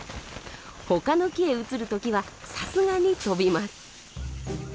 ほかの木へ移る時はさすがに飛びます。